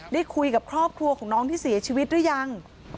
ได้คุยกับครอบครัวของน้องที่เสียชีวิตหรือยัง